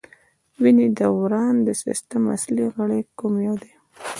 د وینې دوران سیستم اصلي غړی کوم یو دی